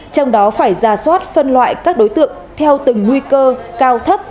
trong đó phải ra soát phân loại các đối tượng theo từng nguy cơ cao thấp